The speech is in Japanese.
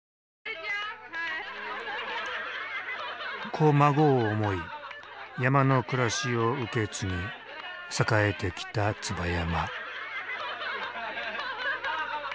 子孫を思い山の暮らしを受け継ぎ栄えてきた椿山。